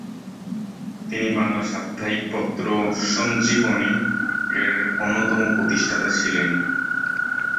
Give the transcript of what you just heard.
তিনি বাংলা সাপ্তাহিক পত্র "সঞ্জীবনী"-র অন্যতম প্রতিষ্ঠাতা ছিলেন।